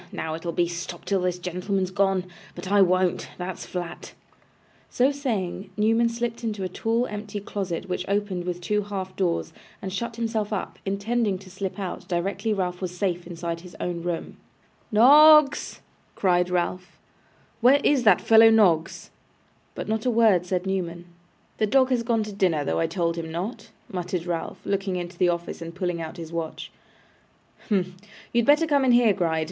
Now it'll be "Stop till this gentleman's gone." But I won't. That's flat.' So saying, Newman slipped into a tall empty closet which opened with two half doors, and shut himself up; intending to slip out directly Ralph was safe inside his own room. 'Noggs!' cried Ralph, 'where is that fellow, Noggs?' But not a word said Newman. 'The dog has gone to his dinner, though I told him not,' muttered Ralph, looking into the office, and pulling out his watch. 'Humph!' You had better come in here, Gride.